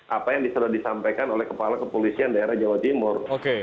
apa yang sudah disampaikan oleh kepala kepolisian daerah jawa timur